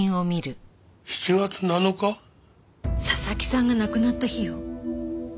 佐々木さんが亡くなった日よ。